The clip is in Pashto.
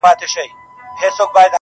پوره اته دانې سمعان ويلي كړل.